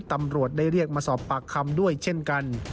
ตำรวจได้เรียกมาสอบปากคำด้วยเช่นกัน